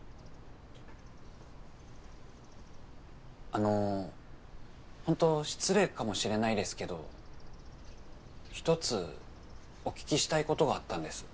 あのホント失礼かもしれないですけど一つお聞きしたいことがあったんです。